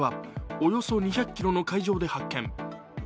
およそ２００ｋｍの海上で発見。